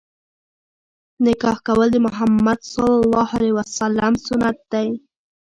نکاح کول د مُحَمَّد ﷺ سنت دی.